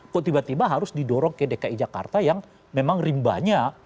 kok tiba tiba harus didorong ke dki jakarta yang memang rimbanya